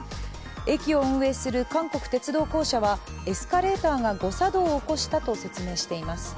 駅を運営する韓国鉄道公社はエスカレーターが誤作動を起こしたと説明しています。